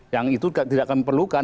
yang itu tidak kami perlukan